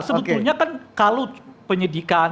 sebetulnya kan kalau penyidikan